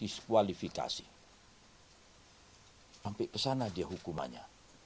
diskualifikasi sampai ke sana dia hukumannya